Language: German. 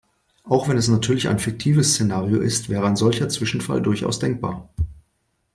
Auch wenn es natürlich ein fiktives Szenario ist, wäre ein solcher Zwischenfall durchaus denkbar.